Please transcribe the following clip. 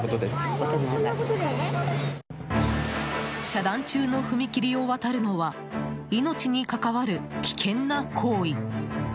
遮断中の踏切を渡るのは命に関わる危険な行為。